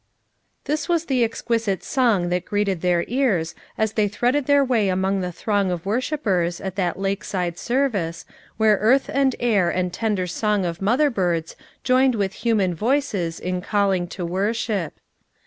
This was the exquisite song that greeted their ears as they threaded their way among the throng of worshipers at that lakeside serv ice where earth and air and tender song of mother birds joined with human voices in call ing to worship.